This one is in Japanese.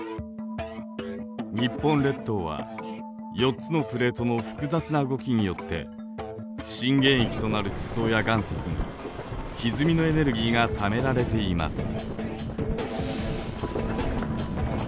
日本列島は４つのプレートの複雑な動きによって震源域となる地層や岩石にひずみのエネルギーがためられています。